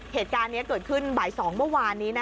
เหตุการณ์นี้เกิดขึ้นบ่าย๒เมื่อวานนี้